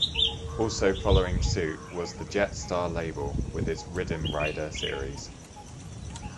Also following suit was the Jet Star label, with its "Riddim Rider" series.